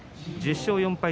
１０勝４敗